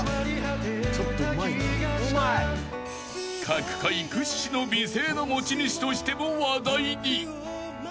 ［角界屈指の美声の持ち主としても話題に］